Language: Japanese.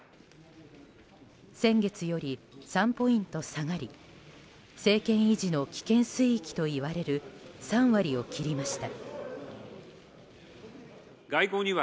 先月より３ポイント下がり政権維持の危険水域といわれる３割を切りました。